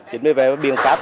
chính vì vậy biện pháp